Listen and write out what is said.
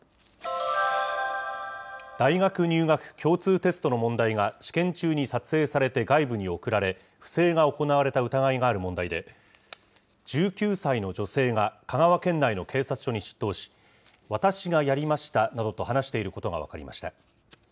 大学入学共通テストの問題が、試験中に撮影されて外部に送られ、不正が行われた疑いがある問題で、１９歳の女性が香川県内の警察署に出頭し、私がやりましたなどと話していることが分かりました。